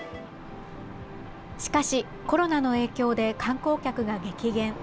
しかし、コロナの影響で観光客が激減。